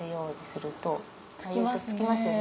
付きますね。